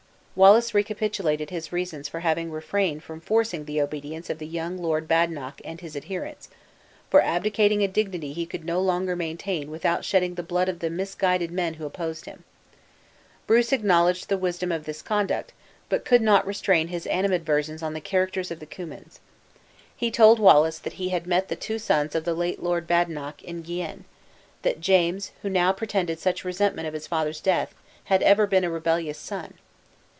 Wallace recapitulated his reasons for having refrained from forcing the obedience of the young Lord Badenoch and his adherents; for abdicating a dignity he could no longer maintain without shedding the blood of the misguided men who opposed him. Bruce acknowledged the wisdom of this conduct, but could not restrain his animadversions on the characters of the Cummins. He told Wallace that he had met the two sons of the late Lord Badenoch in Guienne; that James, who now pretended such resentment of his father's death, had ever been a rebellious son.